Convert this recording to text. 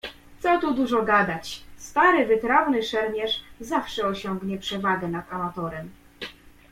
"Co tu dużo gadać, stary wytrawny szermierz zawsze osiągnie przewagę nad amatorem."